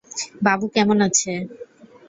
বাবু কেমন আছে?